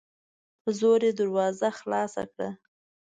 په زور یې دروازه خلاصه کړه